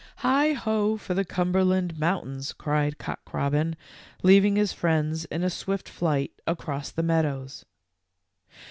w Hi ho for the Cumberland mountains," cried Cock robin, leading his friends in a swift flight across the meadows.